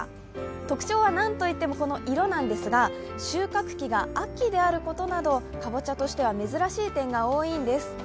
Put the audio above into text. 特徴はなんといってもこの色なんですが、収穫期が秋であることなど、かぼちゃとしては珍しい点が多いんです。